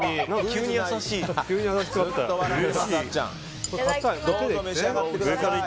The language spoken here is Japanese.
急に優しい。